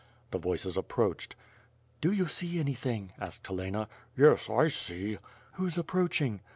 The voices approached. "Do you see anything?" asked Helena. "Yes, I see." "Who's approaching?"